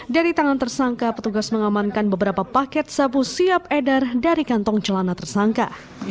dari tangan tersangka petugas mengamankan beberapa paket sabu siap edar dari kantong celana tersangka